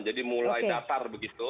jadi mulai datar begitu